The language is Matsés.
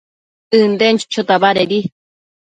ënden chochota badedi